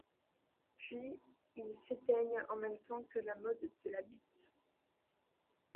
Puis ils s'éteignent en même temps que la mode de la beat.